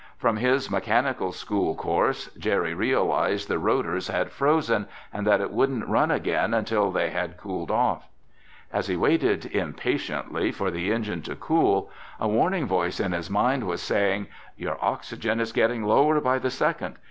From his mechanical school course, Jerry realized the rotors had "frozen" and that it wouldn't run again until they had cooled off. As he waited impatiently for the engine to cool, a warning voice in his mind was saying: "Your oxygen is getting lower by the second.